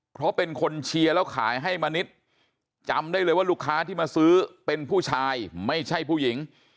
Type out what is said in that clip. เพราะเป็นคนเชียร์แล้วขายให้มณิษฐ์จำได้เลยว่าลูกค้าที่มาซื้อเป็นผู้ชายไม่ใช่ผู้หญิง